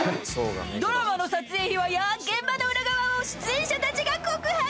［ドラマの撮影秘話や現場の裏側を出演者たちが告白！］